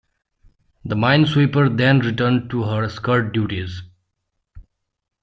The minesweeper then returned to her escort duties.